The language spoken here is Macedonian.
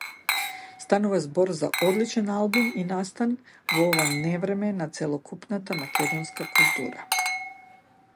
Станува збор за одличен албум и настан во ова невреме за целокупната македонска култура.